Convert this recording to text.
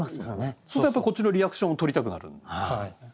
そしたらやっぱこっちのリアクションを撮りたくなる。